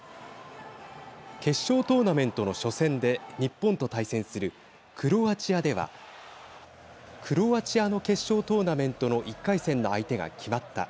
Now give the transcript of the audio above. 決勝トーナメントの初戦で日本と対戦するクロアチアではクロアチアの決勝トーナメントの１回戦の相手が決まった。